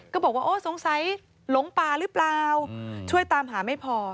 ก็บอกว่าโอ้สงสัยหลงป่าหรือเปล่าช่วยตามหาไม่พอ